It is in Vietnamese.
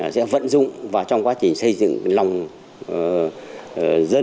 sẽ vận dụng vào trong quá trình xây dựng lòng dân